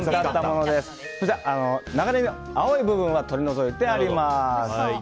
長ネギの青い部分は取り除いてあります。